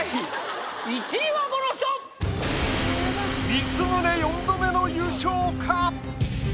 光宗４度目の優勝か？